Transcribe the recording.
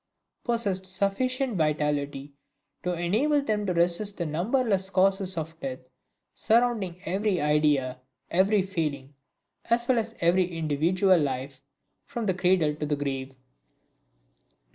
possessed sufficient vitality to enable them to resist the numberless causes of death, surrounding every idea, every feeling, as well as every individual life, from the cradle to the grave!